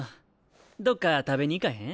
どっか食べに行かへん？